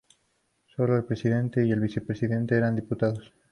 Solo el presidente y el vicepresidente eran diputados.